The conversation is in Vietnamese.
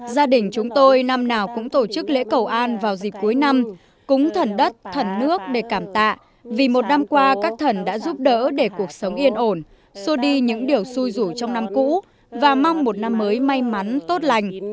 gia đình chúng tôi năm nào cũng tổ chức lễ cầu an vào dịp cuối năm cúng thần đất thần nước để cảm tạ vì một năm qua các thần đã giúp đỡ để cuộc sống yên ổn xua đi những điều xui rủ trong năm cũ và mong một năm mới may mắn tốt lành